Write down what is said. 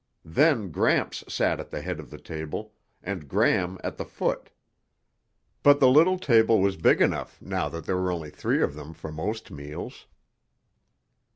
Then Gramps sat at the head of the table and Gram at the foot. But the little table was big enough now that there were only three of them for most meals.